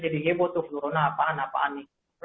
jadi heboh itu flurona apaan apaan nih